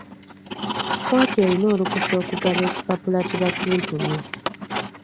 Kkooti eyina olukusa okugaba ekipapula ki bakuntumye.